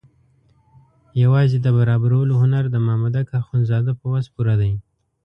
یوازې د برابرولو هنر د مامدک اخندزاده په وس پوره ده.